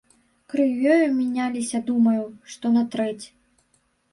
Крывёю мяняліся думаю, што на трэць.